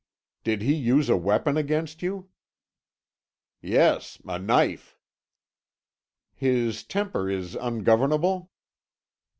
"Did he use a weapon against you?" "Yes; a knife." "His temper is ungovernable?"